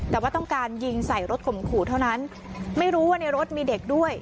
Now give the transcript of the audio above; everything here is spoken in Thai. แต่ว่าต้องการยิงใส่รถข่มขู่เท่านั้นไม่รู้ว่าในรถมีเด็กด้วย